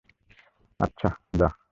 আচ্ছা, যা!